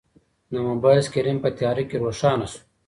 د موبایل سکرین په تیاره کې روښانه شو.